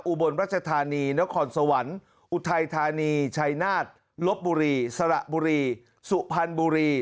อุบลรัชธานีนครสวรรค์อุทัยธานีชัยนาฏลบบุรีสระบุรีสุพรรณบุรี